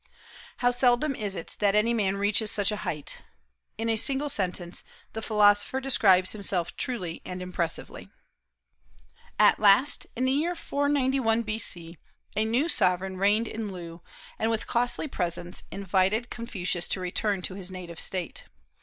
How seldom is it that any man reaches such a height! In a single sentence the philosopher describes himself truly and impressively. At last, in the year 491 B.C., a new sovereign reigned in Loo, and with costly presents invited Confucius to return to his native State.